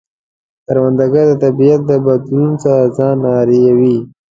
کروندګر د طبیعت د بدلون سره ځان عیاروي